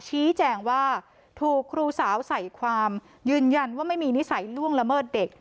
ชี้แจงว่าถูกครูสาวใส่ความยืนยันว่าไม่มีนิสัยล่วงละเมิดเด็ก